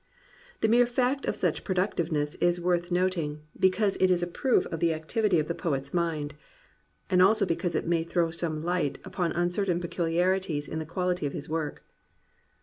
The mere fact of such productiveness is worth not ing, because it is a proof of the activity of the poet's mind, and also because it may throw some light upon certain peculiarities in the quality of his work.